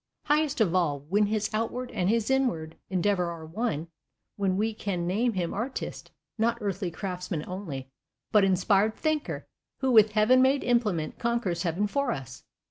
Highest of all, when his outward and his inward endeavour are one; when we can name him Artist; not earthly Craftsman only, but inspired Thinker, who with heaven made Implement conquers Heaven for us!